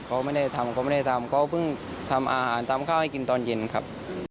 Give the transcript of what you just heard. เขาไม่ได้ทำเขาไม่ได้ทำเขาเพิ่งทำอาหารทำข้าวให้กินตอนเย็นครับ